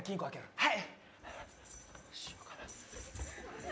はい！